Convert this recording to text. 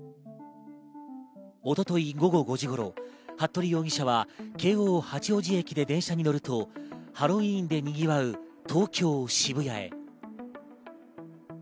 一昨日午後５時頃、服部容疑者は京王八王子駅で電車に乗るとハロウィーンでにぎわう東京・渋谷へ。